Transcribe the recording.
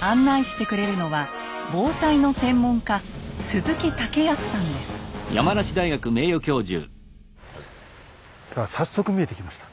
案内してくれるのは防災の専門家さあ早速見えてきました。